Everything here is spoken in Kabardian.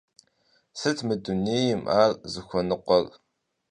Сыт мы дунейм ар зыхуэныкъуэр?